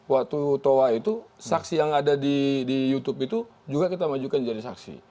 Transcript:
waktu toa itu saksi yang ada di youtube itu juga kita majukan jadi saksi